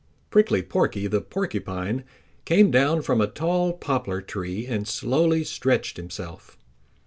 Prickly Porky the Porcupine came down from a tall poplar tree and slowly stretched himself.